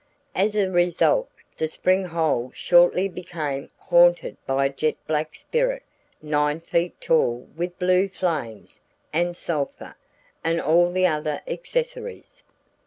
As a result, the spring hole shortly became haunted by a jet black spirit nine feet tall with blue flames and sulphur, and all the other accessories.